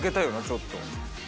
ちょっと。